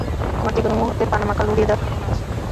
আমার যেকোনো মুহূর্তে পানামা খাল উড়িয়ে দেওয়ার সম্ভাবনা আছে।